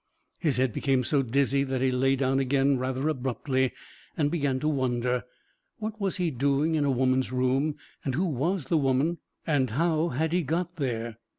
His head became so dizzy that he lay down again rather abruptly and began to wonder. What was he doing in a woman's room, and who was the woman and how had he got there?